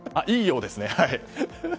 いいようですね。